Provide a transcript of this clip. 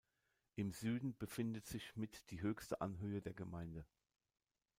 Im Süden befindet sich mit die höchste Anhöhe der Gemeinde.